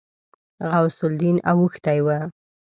غوث الدين اوښتی و.